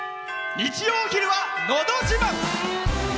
日曜のお昼は「のど自慢」。